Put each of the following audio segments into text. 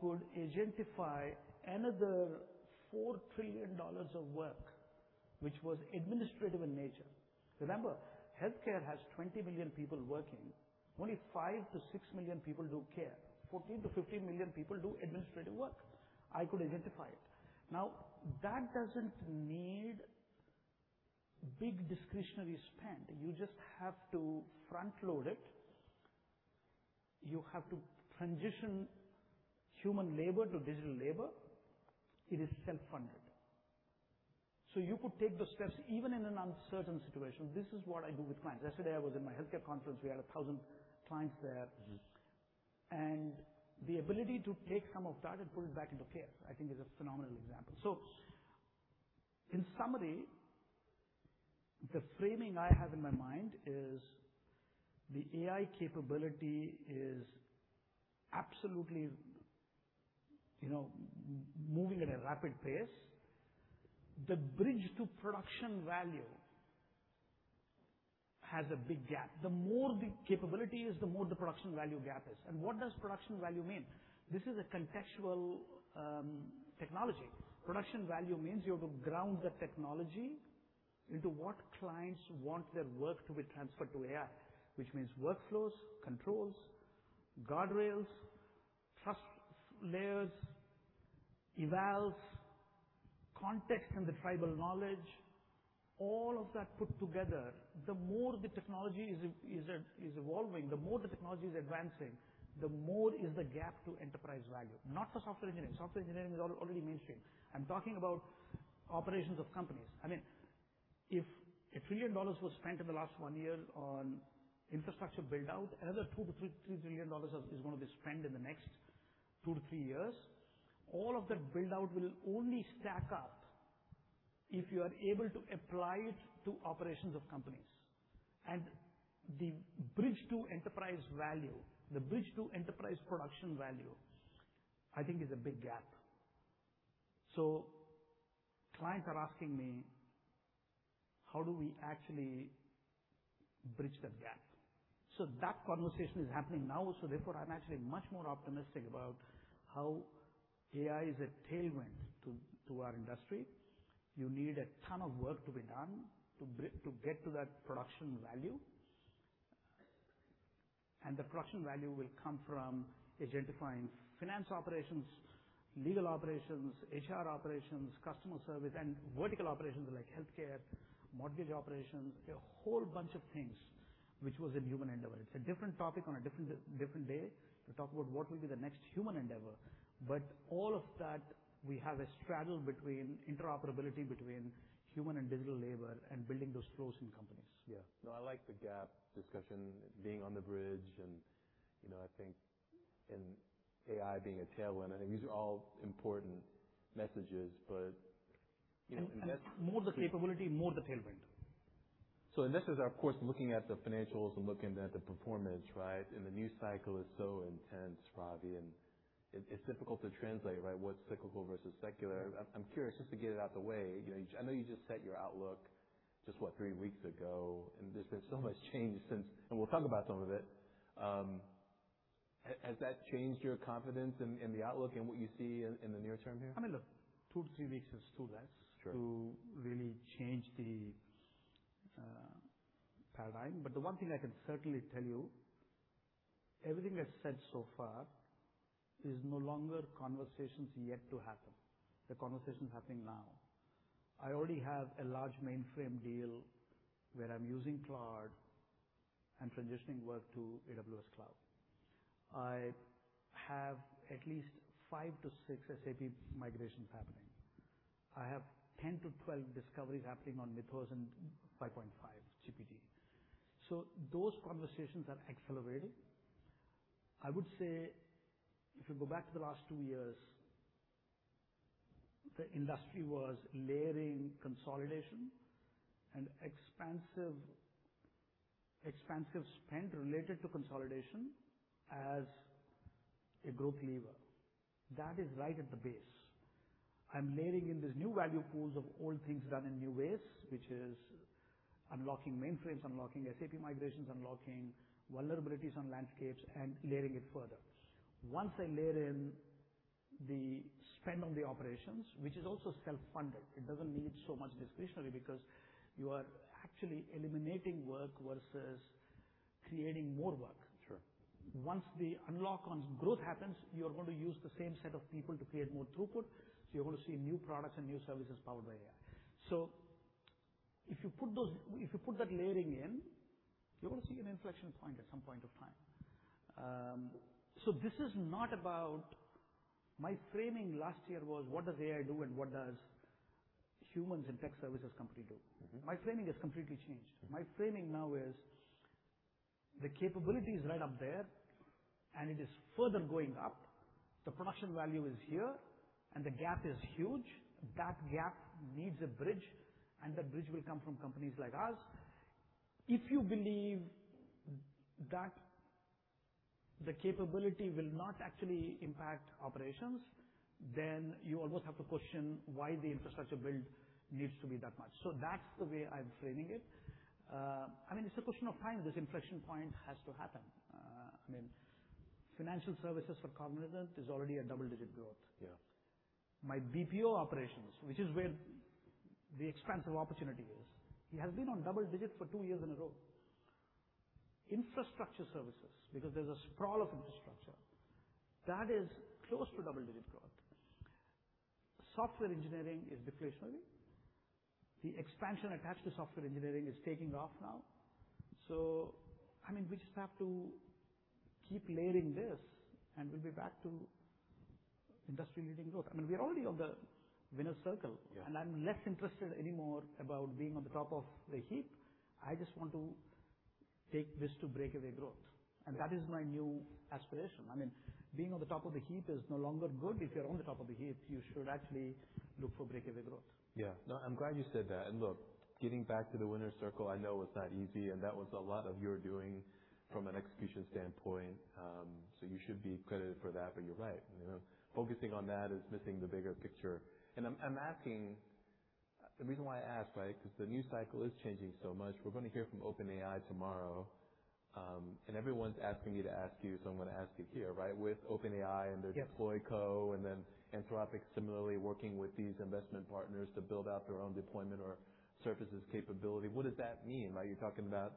Could identify another $4 trillion of work which was administrative in nature. Remember, healthcare has 20 million people working. Only 5 million-6 million people do care. 14 million-15 million people do administrative work. I could identify it. That doesn't need big discretionary spend. You just have to front load it. You have to transition human labor to digital labor. It is self-funded. You could take those steps even in an uncertain situation. This is what I do with clients. Yesterday, I was in my healthcare conference. We had 1,000 clients there. The ability to take some of that and put it back into care, I think, is a phenomenal example. In summary, the framing I have in my mind is the AI capability is absolutely, you know, moving at a rapid pace. The bridge to production value has a big gap. The more the capability is, the more the production value gap is. What does production value mean? This is a contextual technology. Production value means you have to ground the technology into what clients want their work to be transferred to AI, which means workflows, controls, guardrails, trust layers, evals, context, and the tribal knowledge. All of that put together. The more the technology is evolving, the more the technology is advancing, the more is the gap to enterprise value. Not for software engineering. Software engineering is already mainstream. I mean, if $1 trillion was spent in the last one year on infrastructure build-out, another $2-$3 trillion is gonna be spent in the next two-three years. All of that build-out will only stack up if you are able to apply it to operations of companies. The bridge to enterprise value, the bridge to enterprise production value, I think is a big gap. Clients are asking me, "How do we actually bridge that gap?" That conversation is happening now. Therefore, I'm actually much more optimistic about how AI is a tailwind to our industry. You need a ton of work to be done to get to that production value. The production value will come from identifying finance operations, legal operations, HR operations, customer service, and vertical operations like healthcare, mortgage operations. A whole bunch of things which was a human endeavor. It's a different topic on a different day to talk about what will be the next human endeavor. All of that, we have a straddle between interoperability between human and digital labor and building those flows in companies. Yeah. No, I like the gap discussion, being on the bridge and, you know, I think and AI being a tailwind, I think these are all important messages. More the capability, more the tailwind. This is, of course, looking at the financials and looking at the performance, right? The news cycle is so intense, Ravi, it's difficult to translate, right? What's cyclical versus secular. I'm curious just to get it out the way. You know, I know you just set your outlook just, what? Three weeks ago, and there's been so much change since, and we'll talk about some of it. Has that changed your confidence in the outlook and what you see in the near term here? I mean, look, two to three weeks is too less. Sure to really change the paradigm. The one thing I can certainly tell you, everything I've said so far is no longer conversations yet to happen. The conversation is happening now. I already have a large mainframe deal where I'm using Cloud and transitioning work to AWS Cloud. I have at least five-six SAP migrations happening. I have 10-12 discoveries happening on Mistral and uncertain. Those conversations are accelerating. I would say if you go back to the last two years, the industry was layering consolidation and expansive spend related to consolidation as a growth lever. That is right at the base. I'm layering in these new value pools of old things done in new ways, which is unlocking mainframes, unlocking SAP migrations, unlocking vulnerabilities on landscapes, and layering it further. Once I layer in the spend on the operations, which is also self-funded, it doesn't need so much discretionary because you are actually eliminating work versus creating more work. Sure. Once the unlock on growth happens, you are going to use the same set of people to create more throughput. You're going to see new products and new services powered by AI. If you put that layering in, you're gonna see an inflection point at some point of time. This is not about My framing last year was what does AI do and what does humans and tech services company do? My framing has completely changed. My framing now is the capability is right up there, and it is further going up. The production value is here and the gap is huge. That gap needs a bridge, and that bridge will come from companies like us. If you believe that the capability will not actually impact operations. You almost have to question why the infrastructure build needs to be that much. That's the way I'm framing it. I mean, it's a question of time. This inflection point has to happen. I mean, financial services for Cognizant is already a double-digit growth. Yeah. My BPO operations, which is where the expansive opportunity is, it has been on double-digits for two years in a row. Infrastructure services, because there's a sprawl of infrastructure that is close to double-digit growth. Software engineering is deflationary. The expansion attached to software engineering is taking off now. I mean, we just have to keep layering this and we'll be back to industry-leading growth. I mean, we're already on the winner's circle. Yeah. I'm less interested anymore about being on the top of the heap. I just want to take this to breakaway growth, and that is my new aspiration. I mean, being on the top of the heap is no longer good. If you're on the top of the heap, you should actually look for breakaway growth. Yeah. No, I'm glad you said that. Look, getting back to the winner's circle, I know it's not easy, and that was a lot of your doing from an execution standpoint. You should be credited for that. You're right, you know, focusing on that is missing the bigger picture. The reason why I ask, right, 'cause the news cycle is changing so much. We're going to hear from OpenAI tomorrow, everyone's asking me to ask you, I'm going to ask you here, right? With OpenAI and their deploy co, Anthropic similarly working with these investment partners to build out their own deployment or services capability. What does that mean? Are you talking about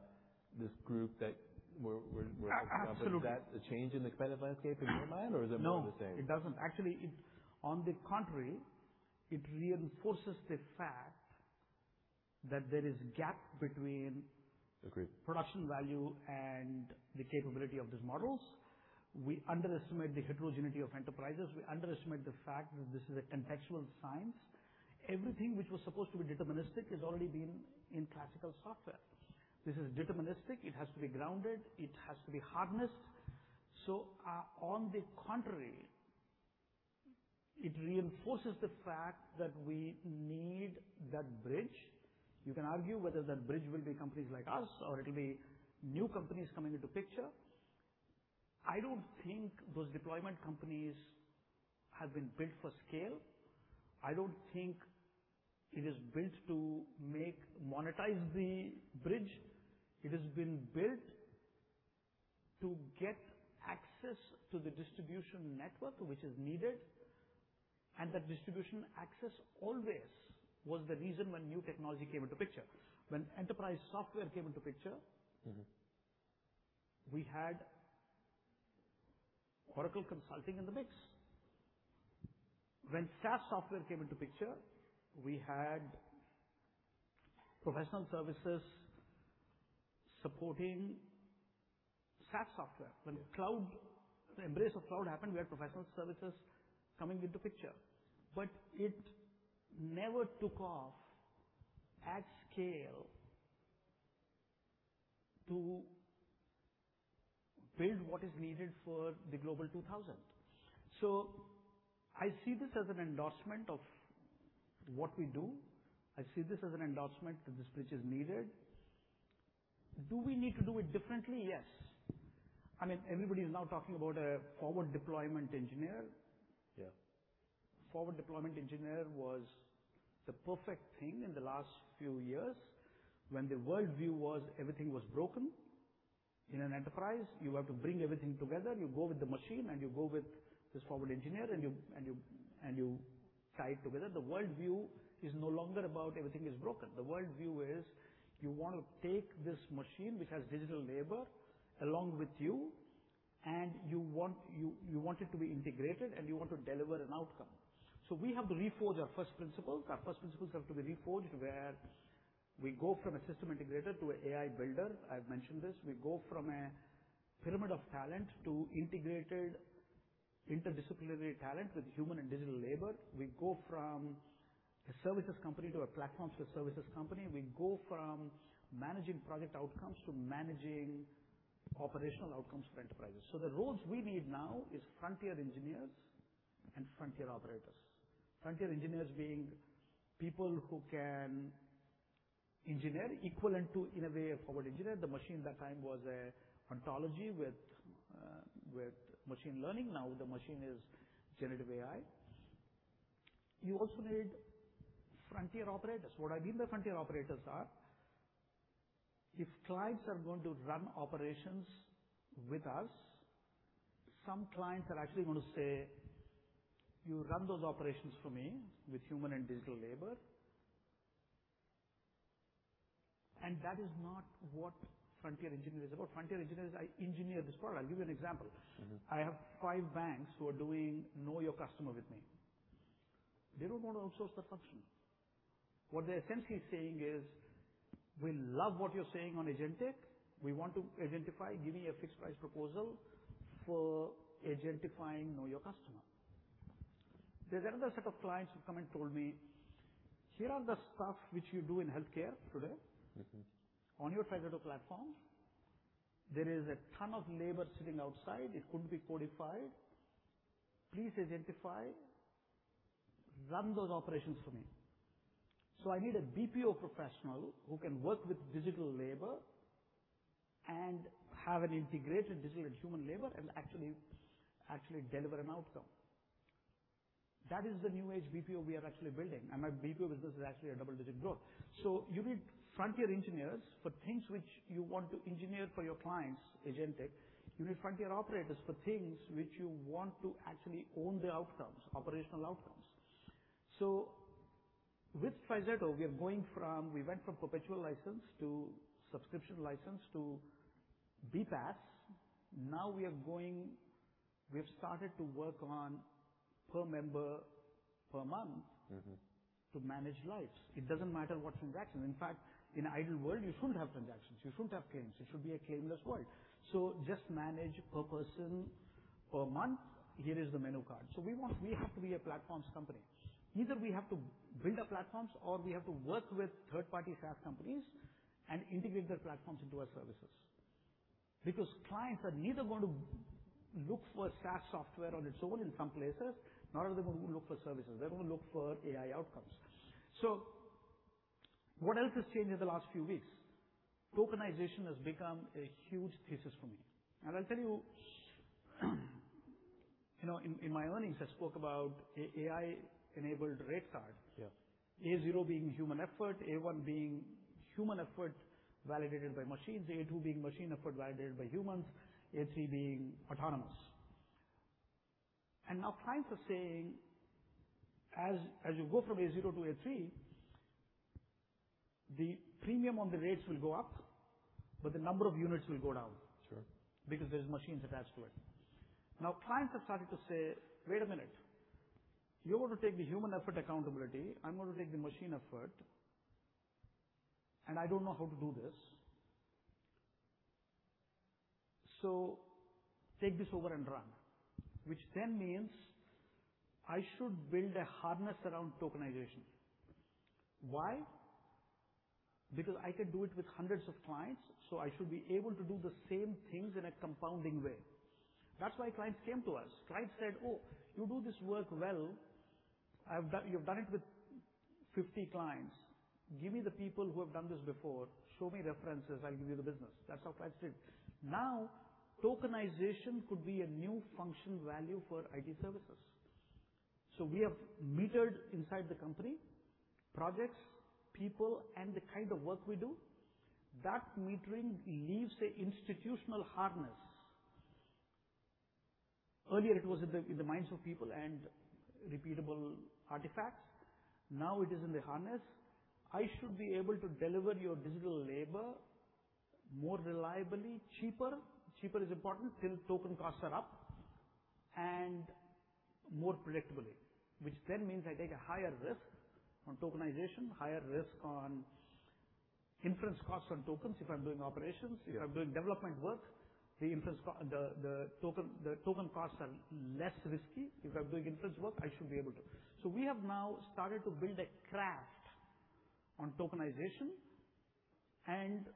this group that we're talking about? Absolutely. Is that a change in the competitive landscape in your mind, or is it more the same? No, it doesn't. Actually, on the contrary, it reinforces the fact that there is gap between. Agreed. Production value and the capability of these models. We underestimate the heterogeneity of enterprises. We underestimate the fact that this is a contextual science. Everything which was supposed to be deterministic is already been in classical software. This is deterministic. It has to be grounded. It has to be harnessed. On the contrary, it reinforces the fact that we need that bridge. You can argue whether that bridge will be companies like us or it'll be new companies coming into picture. I don't think those deployment companies have been built for scale. I don't think it is built to monetize the bridge. It has been built to get access to the distribution network which is needed, and that distribution access always was the reason when new technology came into picture. When enterprise software came into picture. We had Oracle Consulting in the mix. When SaaS software came into picture, we had professional services supporting SaaS software. When cloud, the embrace of cloud happened, we had professional services coming into picture, but it never took off at scale to build what is needed for the Global 2000. I see this as an endorsement of what we do. I see this as an endorsement that this bridge is needed. Do we need to do it differently? Yes. I mean, everybody is now talking about a forward deployment engineer. Yeah. Forward deployment engineer was the perfect thing in the last few years when the worldview was everything was broken. In an enterprise, you have to bring everything together. You go with the machine, and you go with this forward engineer, and you tie it together. The worldview is no longer about everything is broken. The worldview is you want to take this machine, which has digital labor, along with you, and you want it to be integrated, and you want to deliver an outcome. We have to reforge our first principles. Our first principles have to be reforged, where we go from a system integrator to an AI builder. I've mentioned this. We go from a pyramid of talent to integrated interdisciplinary talent with human and digital labor. We go from a services company to a platform to services company. We go from managing project outcomes to managing operational outcomes for enterprises. The roles we need now is frontier engineers and frontier operators. Frontier engineers being people who can engineer equivalent to, in a way, a forward engineer. The machine that time was a ontology with machine learning. Now the machine is generative AI. You also need frontier operators. What I mean by frontier operators are, if clients are going to run operations with us, some clients are actually gonna say, "You run those operations for me with human and digital labor." That is not what frontier engineer is about. Frontier engineer is, I engineer this product. I'll give you an example. I have five banks who are doing Know Your Customer with me. They don't want to outsource that function. What they're essentially saying is, "We love what you're saying on agentic. We want to agentify. Give me a fixed price proposal for agentifying Know Your Customer." There's another set of clients who come and told me, "Here are the stuff which you do in healthcare today. On your TriZetto platform. There is a ton of labor sitting outside. It could be codified. Please agentify. Run those operations for me. I need a BPO professional who can work with digital labor and have an integrated digital human labor and actually deliver an outcome. That is the new age BPO we are actually building, and my BPO business is actually a double-digit growth. You need frontier engineers for things which you want to engineer for your clients, agentic. You need frontier operators for things which you want to actually own the outcomes, operational outcomes. With TriZetto, we went from perpetual license to subscription license to BPaaS. Now we've started to work on per member per month. To manage lives. It doesn't matter what transactions. In fact, in an ideal world, you shouldn't have transactions, you shouldn't have claims. It should be a claimless world. Just manage per member per month. Here is the menu card. We have to be a platforms company. Either we have to build our platforms, or we have to work with third-party SaaS companies and integrate their platforms into our services. Clients are neither going to look for SaaS software on its own in some places, nor are they gonna look for services. They're gonna look for AI outcomes. What else has changed in the last few weeks? Tokenization has become a huge thesis for me. I'll tell you know, in my earnings, I spoke about AI-enabled rate card. Yeah. A0 being human effort, A1 being human effort validated by machines, A2 being machine effort validated by humans, A3 being autonomous. Now clients are saying, as you go from A0-A3, the premium on the rates will go up, but the number of units will go down. Sure. There's machines attached to it. Clients have started to say, "Wait a minute. You're going to take the human effort accountability. I'm gonna take the machine effort, and I don't know how to do this. Take this over and run." Which then means I should build a harness around tokenization. Why? I can do it with hundreds of clients. I should be able to do the same things in a compounding way. Clients came to us. Clients said, "Oh, you do this work well. You've done it with 50 clients. Give me the people who have done this before. Show me references, I'll give you the business." Clients did. Tokenization could be a new function value for IT services. We have metered inside the company, projects, people, and the kind of work we do. That metering leaves a institutional harness. Earlier, it was in the minds of people and repeatable artifacts. Now it is in the harness. I should be able to deliver your digital labor more reliably, cheaper. Cheaper is important till token costs are up, and more predictably. Which then means I take a higher risk on tokenization, higher risk on inference costs on tokens, if I'm doing operations. Yeah. If I'm doing development work, the inference, the token costs are less risky. If I'm doing inference work, I should be able to. We have now started to build a craft on tokenization, and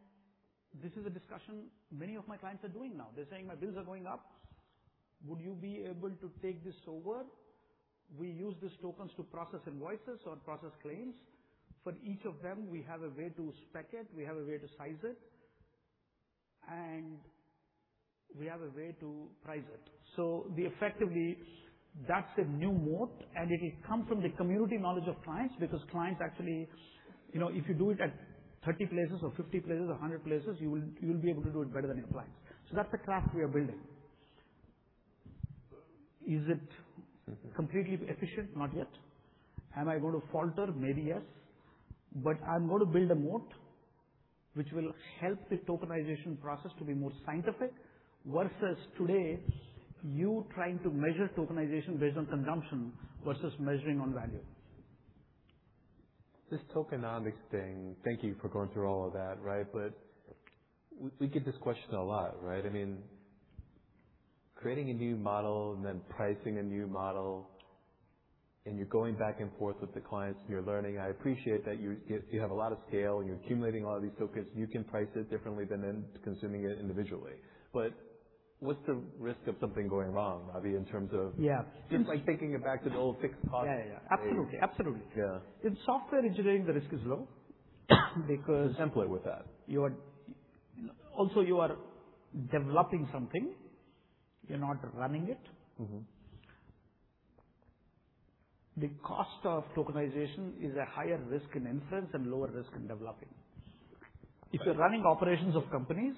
this is a discussion many of my clients are doing now. They're saying, "My bills are going up. Would you be able to take this over?" We use these tokens to process invoices or process claims. For each of them, we have a way to spec it, we have a way to size it, and we have a way to price it. We effectively. That's a new moat, and it comes from the community knowledge of clients, because clients actually You know, if you do it at 30 places or 50 places or 100 places, you will be able to do it better than your clients. That's the craft we are building. Is it completely efficient? Not yet. Am I going to falter? Maybe yes. I'm going to build a moat which will help the tokenization process to be more scientific, versus today, you trying to measure tokenization based on consumption versus measuring on value. This tokenomics thing, thank you for going through all of that, right? We get this question a lot, right? I mean, creating a new model and then pricing a new model, and you're going back and forth with the clients and you're learning. I appreciate that you have a lot of scale and you're accumulating a lot of these tokens. You can price it differently than them consuming it individually. What's the risk of something going wrong, Ravi? Yeah. Just like taking it back to the old fixed cost. Yeah, yeah. Absolutely. Absolutely. Yeah. In software engineering, the risk is low because. There's template with that. You are developing something. You're not running it. The cost of tokenization is a higher risk in inference and lower risk in developing. Right. If you're running operations of companies,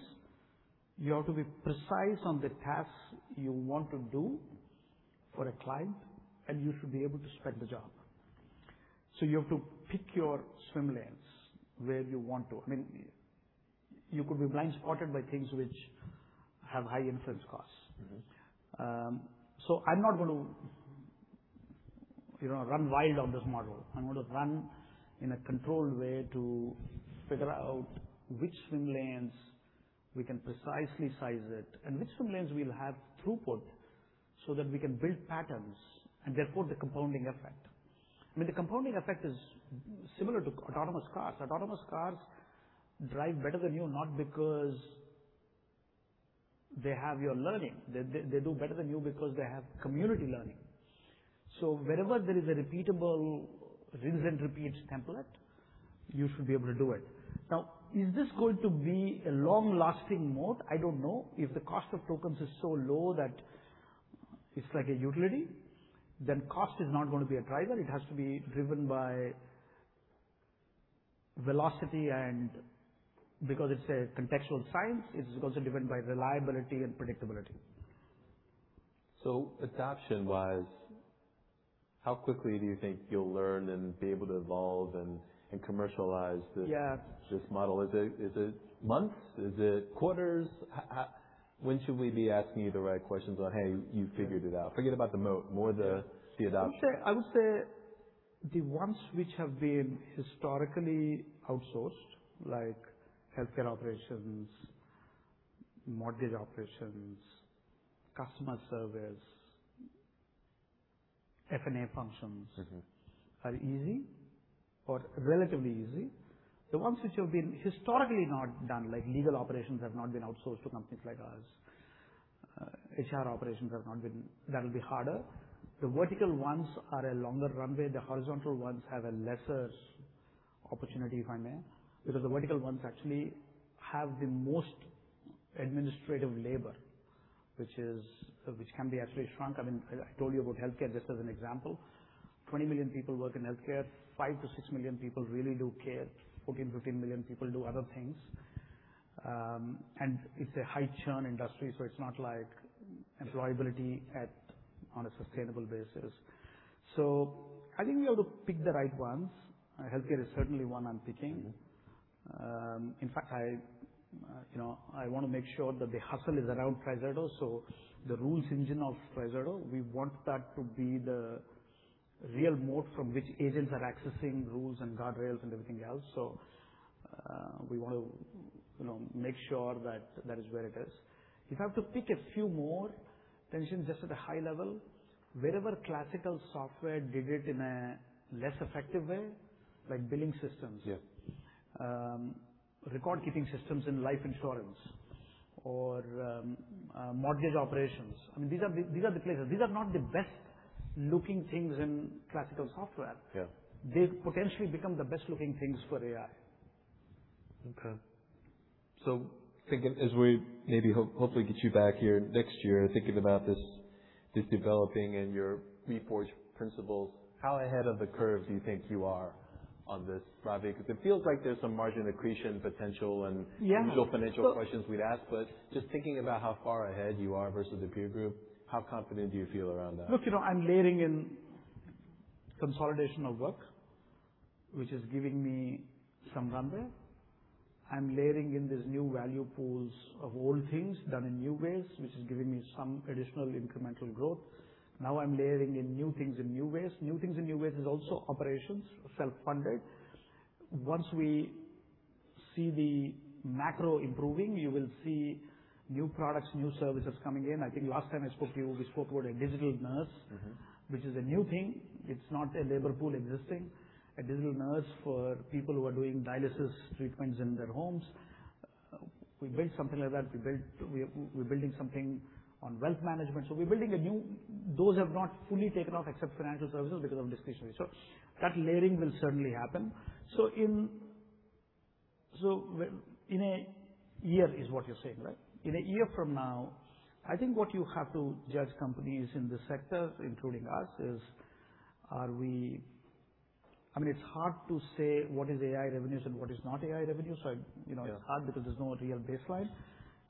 you have to be precise on the tasks you want to do for a client, and you should be able to spec the job. You have to pick your swim lanes where you want to I mean, you could be blind spotted by things which have high inference costs. I'm not going to, you know, run wild on this model. I'm gonna run in a controlled way to figure out which swim lanes we can precisely size it and which swim lanes will have throughput so that we can build patterns and therefore the compounding effect. I mean, the compounding effect is similar to autonomous cars. Autonomous cars drive better than you, not because they have your learning. They do better than you because they have community learning. Wherever there is a repeatable rinse and repeat template, you should be able to do it. Is this going to be a long-lasting moat? I don't know. If the cost of tokens is so low that it's like a utility, then cost is not gonna be a driver. It has to be driven by velocity and because it's a contextual science, it's also driven by reliability and predictability. Adoption-wise, how quickly do you think you'll learn and be able to evolve and commercialize this? Yeah. this model? Is it months? Is it quarters? When should we be asking you the right questions on, "Hey, you figured it out." Forget about the moat. More the adoption. I would say the ones which have been historically outsourced, like healthcare operations, mortgage operations, customer service, F&A functions. Are easy or relatively easy. The ones which have been historically not done, like legal operations have not been outsourced to companies like ours. HR operations have not been. That'll be harder. The vertical ones are a longer runway. The horizontal ones have a lesser opportunity, if I may. The vertical ones actually have the most administrative labor, which is, which can be actually shrunk. I mean, I told you about healthcare just as an example. 20 million people work in healthcare. 5 million-6 million people really do care. 14 million-15 million people do other things. It's a high churn industry, so it's not like employability at, on a sustainable basis. I think we ought to pick the right ones. Healthcare is certainly one I'm picking. In fact, I, you know, I wanna make sure that the hustle is around TriZetto. The rules engine of TriZetto, we want that to be the real moat from which agents are accessing rules and guardrails and everything else. We want to, you know, make sure that that is where it is. If I have to pick a few more tensions just at a high level, wherever classical software did it in a less effective way, like billing systems. Yeah. Record-keeping systems in life insurance or mortgage operations. I mean, these are the places. These are not the best-looking things in classical software. Yeah. They potentially become the best-looking things for AI. Okay. Thinking as we maybe hopefully get you back here next year, thinking about this developing and your Reforge principles, how ahead of the curve do you think you are on this, Ravi Kumar S? 'Cause it feels like there's some margin accretion potential. Yeah. usual financial questions we'd ask. Just thinking about how far ahead you are versus the peer group, how confident do you feel around that? Look, you know, I'm layering in consolidation of work, which is giving me some runway. I'm layering in these new value pools of old things done in new ways, which is giving me some additional incremental growth. Now I'm layering in new things in new ways. New things in new ways is also operations, self-funded. Once we see the macro improving, you will see new products, new services coming in. I think last time I spoke to you, we spoke about a digital nurse. which is a new thing. It's not a labor pool existing. A digital nurse for people who are doing dialysis treatments in their homes. We built something like that. We're building something on wealth management. We're building a new Those have not fully taken off except financial services because of discretionary. That layering will certainly happen. In a year is what you're saying, right? In a year from now, I think what you have to judge companies in this sector, including us, is I mean, it's hard to say what is AI revenues and what is not AI revenue. You know. Yeah. It's hard because there's no real baseline.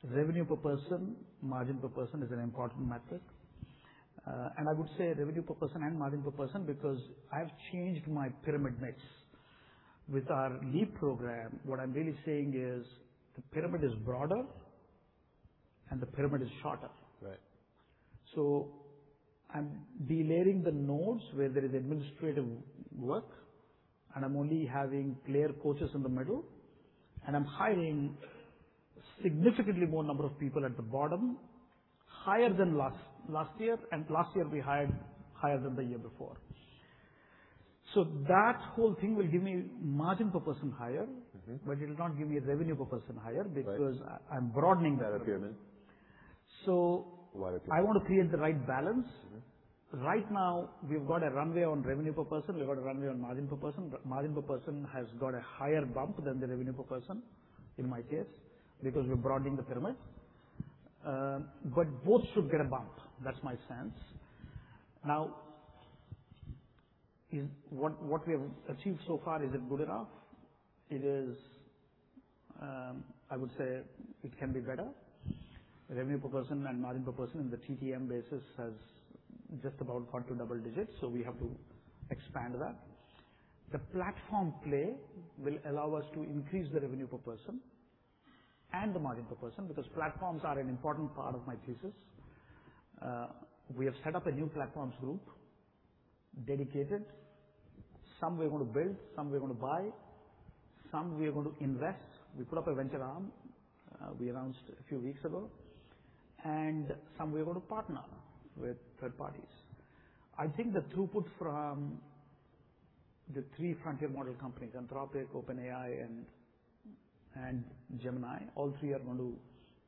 Revenue per person, margin per person is an important metric. I would say revenue per person and margin per person because I've changed my pyramid mix. With our Leap program, what I'm really saying is the pyramid is broader and the pyramid is shorter. Right. I'm delayering the nodes where there is administrative work, and I'm only having clear coaches in the middle, and I'm hiring significantly more number of people at the bottom, higher than last year, and last year we hired higher than the year before. That whole thing will give me margin per person higher. It'll not give me a revenue per person higher. Right. I'm broadening the pyramid. Okay. So- Got it. I want to create the right balance. Right now we've got a runway on revenue per person. We've got a runway on margin per person. Margin per person has got a higher bump than the revenue per person in my case, because we're broadening the pyramid. Both should get a bump. That's my sense. Now, what we have achieved so far, is it good enough? It is. I would say it can be better. Revenue per person and margin per person in the TTM basis has just about caught to double digits, so we have to expand that. The platform play will allow us to increase the revenue per person and the margin per person, because platforms are an important part of my thesis. We have set up a new platforms group, dedicated. Some we're gonna build, some we're gonna buy, some we are going to invest. We put up a venture arm, we announced a few weeks ago. Some we are gonna partner with third parties. I think the three frontier model companies, Anthropic, OpenAI, and Gemini, all three are going to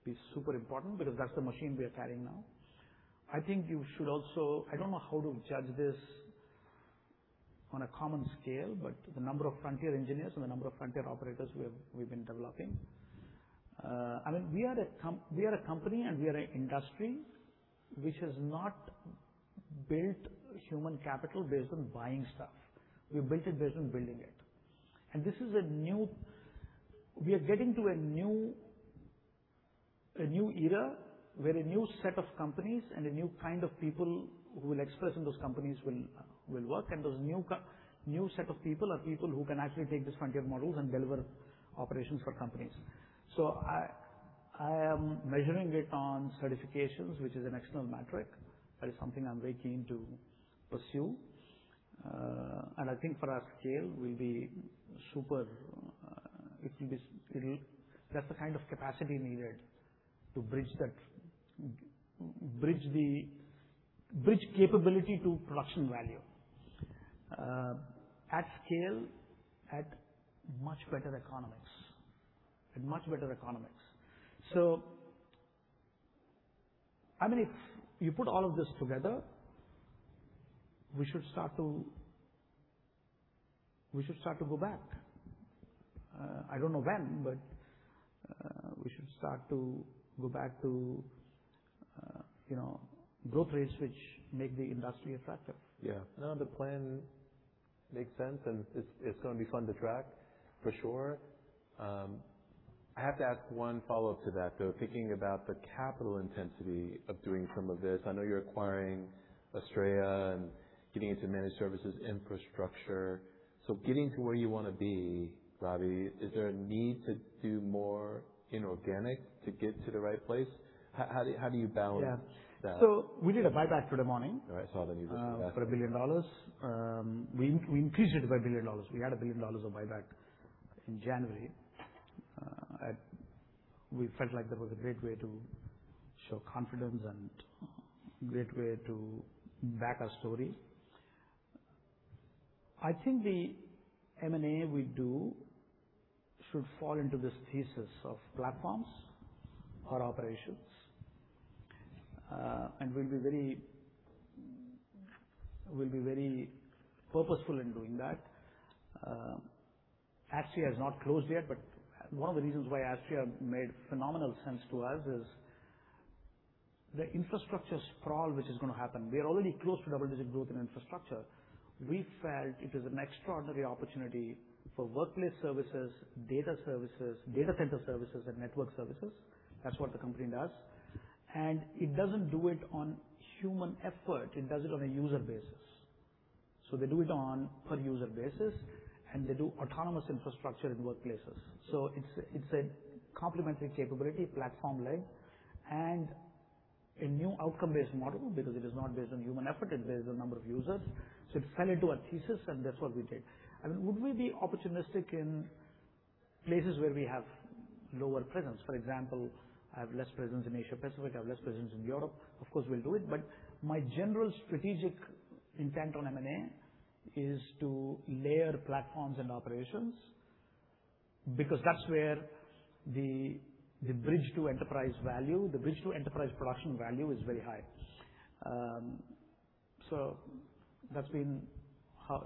be super important because that's the machine we are carrying now. I think you should also I don't know how to judge this on a common scale, but the number of frontier engineers and the number of frontier operators we've been developing. I mean, we are a company, and we are an industry which has not built human capital based on buying stuff. We've built it based on building it. This is a new era where a new set of companies and a new kind of people who will express in those companies will work, and those new set of people are people who can actually take these frontier models and deliver operations for companies. I am measuring it on certifications, which is an external metric. That is something I'm very keen to pursue. I think for our scale will be super, that's the kind of capacity needed to bridge that, bridge capability to production value at scale, at much better economics. At much better economics. I mean, if you put all of this together, we should start to go back. I don't know when, we should start to go back to, you know, growth rates which make the industry attractive. Yeah. No, the plan makes sense, and it's gonna be fun to track for sure. I have to ask one follow-up to that, though. Thinking about the capital intensity of doing some of this, I know you're acquiring Astreya and getting into managed services infrastructure. Getting to where you wanna be, Ravi, is there a need to do more inorganic to get to the right place? How do you balance that? Yeah. We did a buyback for the morning. I saw the news on that. For $1 billion. We increased it by $1 billion. We had $1 billion of buyback in January. We felt like that was a great way to show confidence and great way to back our story. I think the M&A we do should fall into this thesis of platforms or operations, and we'll be very purposeful in doing that. Astreya has not closed yet, but one of the reasons why Astreya made phenomenal sense to us is the infrastructure sprawl which is gonna happen. We are already close to double-digit growth in infrastructure. We felt it is an extraordinary opportunity for workplace services, data services, data center services, and network services. That's what the company does. It doesn't do it on human effort, it does it on a user basis. They do it on per user basis, and they do autonomous infrastructure in workplaces. It's, it's a complementary capability, platform led, and a new outcome-based model because it is not based on human effort, it's based on number of users. It fell into our thesis, and that's what we did. I mean, would we be opportunistic in places where we have lower presence? For example, I have less presence in Asia-Pacific. I have less presence in Europe. Of course, we'll do it, but my general strategic intent on M&A is to layer platforms and operations because that's where the bridge to enterprise value, the bridge to enterprise production value is very high.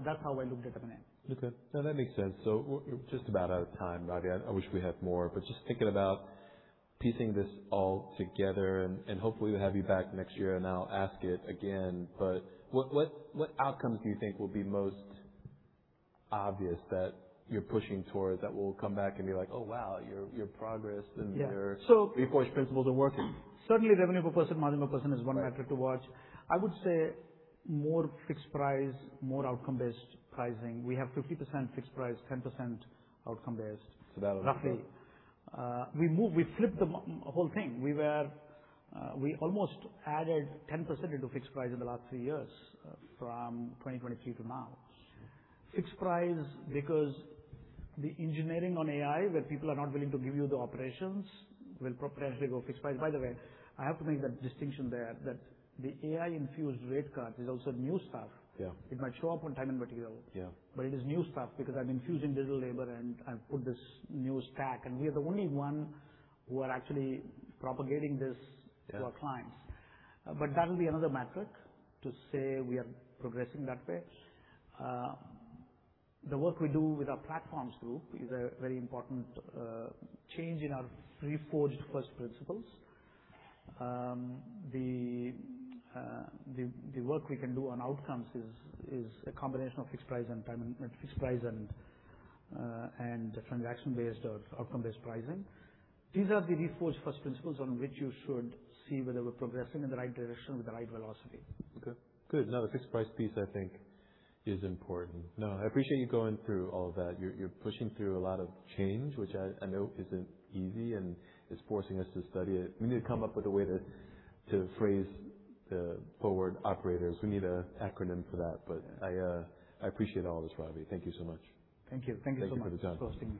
That's how I look at M&A. No, that makes sense. We're just about out of time, Ravi. I wish we had more, but just thinking about piecing this all together and hopefully we'll have you back next year, and I'll ask it again, but what outcomes do you think will be most obvious that you're pushing towards that we'll come back and be like, Oh, wow, your progress and your. Yeah. Reforged principles are working. Certainly revenue per person, margin per person is one metric to watch. I would say more fixed price, more outcome-based pricing. We have 50% fixed price, 10% outcome-based. So that'll be- Roughly. We flipped the whole thing. We almost added 10% into fixed price in the last three years, from 2023 to now. Fixed price because the engineering on AI where people are not willing to give you the operations will potentially go fixed price. By the way, I have to make that distinction there that the AI infused rate card is also new stuff. Yeah. It might show up on time and material. Yeah. It is new stuff because I'm infusing digital labor, and I've put this new stack, and we are the only one who are actually propagating this to our clients. Yeah. That'll be another metric to say we are progressing that way. The work we do with our platforms group is a very important change in our reforged first principles. The work we can do on outcomes is a combination of fixed price and time, fixed price and transaction-based or outcome-based pricing. These are the reforged first principles on which you should see whether we're progressing in the right direction with the right velocity. Okay. Good. The fixed price piece, I think, is important. I appreciate you going through all of that. You're pushing through a lot of change, which I know isn't easy and is forcing us to study it. We need to come up with a way to phrase the frontier operators. We need a acronym for that. I appreciate all this, Ravi. Thank you so much. Thank you. Thank you so much for hosting me.